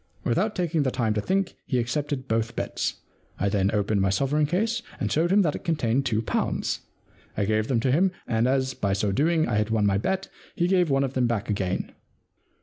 'Without taking the time to think, he accepted both bets. I then opened my sovereign case and showed him that it con tained two pounds. I gave them to him, and as by so doing I had won my bet he gave me one of them back again.